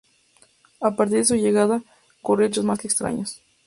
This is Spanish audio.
A partir de su llegada, comienzan a ocurrir hechos más que extraños.